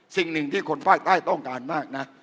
สิ่งหนึ่งที่คนภาคใต้ต้องการมากนะ